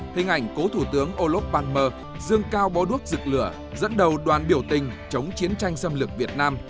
hình ảnh cố thủ tướng olof palme dương cao bó đuốc dựt lửa dẫn đầu đoàn biểu tình chống chiến tranh xâm lược việt nam